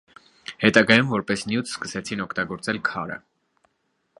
Հետագայում որպես նյութ սկսեցին օգտագործել քարը։